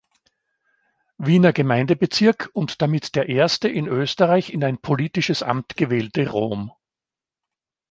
Wiener Gemeindebezirk und damit der erste in Österreich in ein politisches Amt gewählte Rom.